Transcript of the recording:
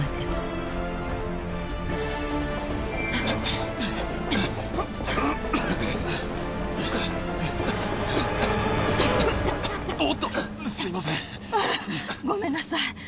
あらごめんなさい。